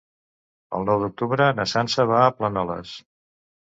El nou d'octubre na Sança va a Planoles.